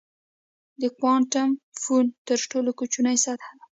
د کوانټم فوم تر ټولو کوچنۍ سطحه ده.